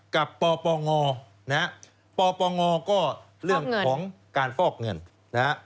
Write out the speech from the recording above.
กับปปงนะฮะปปงก็เรื่องของการฟอกเงินนะฮะ